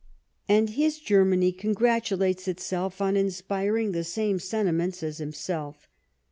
And his Germany congratulates itself on inspir ing the same sentiments as himself.